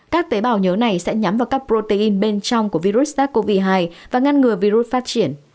các tế bào nhớ này sẽ nhắm vào các protein bên trong của virus sars cov hai và ngăn ngừa virus phát triển